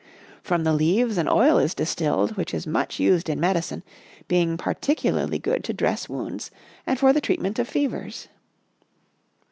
From the leaves an oil is distilled which is much used in medicine, being particularly good to dress wounds and for the treatment of fevers."